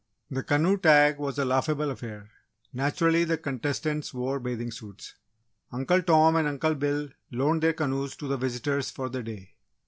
The canoe tag was a laughable affair naturally, the contestants wore bathing suits. Uncle Tom and Uncle Bill loaned their canoes to the visitors for the day.